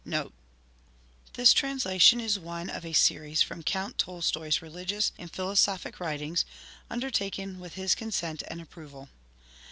NOTE This translation is one of a series from Count Tolstoi's religious and philosophic writings, un dertaken with his consent and approval.